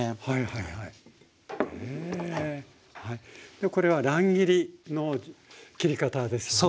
でこれは乱切りの切り方ですよね？